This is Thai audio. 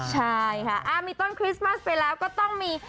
ใช่ค่ะมีต้นคริสต์มัสไปแล้วก็ต้องมี